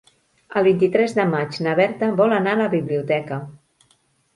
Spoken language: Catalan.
El vint-i-tres de maig na Berta vol anar a la biblioteca.